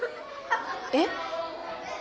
えっ？